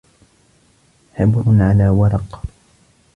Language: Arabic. حبر على ورق